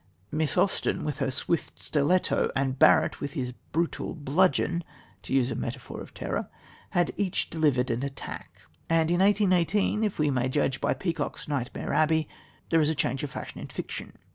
Miss Austen, with her swift stiletto, and Barrett, with his brutal bludgeon to use a metaphor of "terror" had each delivered an attack; and in 1818, if we may judge by Peacock's Nightmare Abbey, there is a change of fashion in fiction.